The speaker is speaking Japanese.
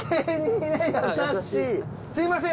すみません